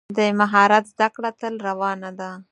د مهارت زده کړه تل روانه ده.